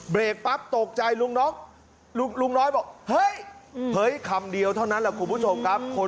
ปั๊บตกใจลุงนกลุงน้อยบอกเฮ้ยเฮ้ยคำเดียวเท่านั้นแหละคุณผู้ชมครับ